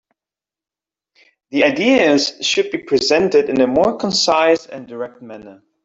The ideas should be presented in a more concise and direct manner.